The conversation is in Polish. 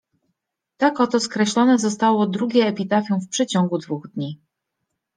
Tak oto skreślone zostało drugie epitafium w przeciągu dwóch dni.